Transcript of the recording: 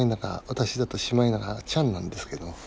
私だと「シマエナガちゃん」なんですけど。